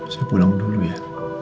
saya pulang dulu ya